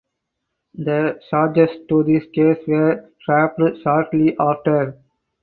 The charges to this case were dropped shortly after.